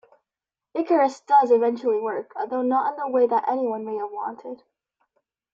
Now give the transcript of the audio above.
Icarus does eventually work, although not in the way that anyone may have wanted.